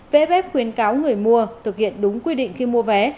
vff khuyến cáo người mua thực hiện đúng quy định khi mua vé